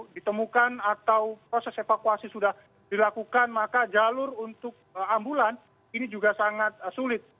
ditemukan atau proses evakuasi sudah dilakukan maka jalur untuk ambulan ini juga sangat sulit